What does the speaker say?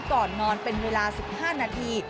ก่อนนอนเป็นเวลา๑๕นาที